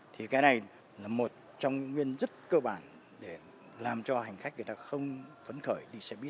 thì cái này là một trong những nguyên rất cơ bản để làm cho hành khách không tấn khởi